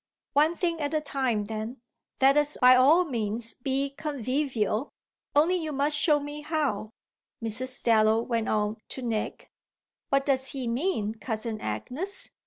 "One thing at a time then. Let us by all means be convivial. Only you must show me how," Mrs. Dallow went on to Nick. "What does he mean, Cousin Agnes?